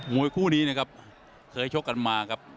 วยคู่นี้นะครับเคยชกกันมาครับ